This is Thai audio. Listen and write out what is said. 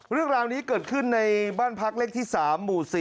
เรื่องราวนี้เกิดขึ้นในบ้านพักเลขที่๓หมู่๔